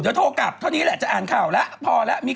จะโทรกลับครั้วนี้เขาอ่านข่าวนี้